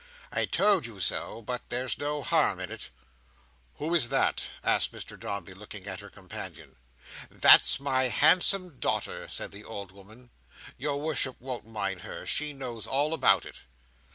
"I told you so, but there's no harm in it." "Who is that?" asked Mr Dombey, looking at her companion. "That's my handsome daughter," said the old woman. "Your worship won't mind her. She knows all about it."